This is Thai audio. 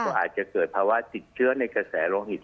ก็อาจจะเกิดภาวะติดเชื้อในกระแสโลหิต